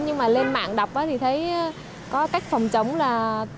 nhưng mà lên mạng đọc thì thấy có cách phòng chống là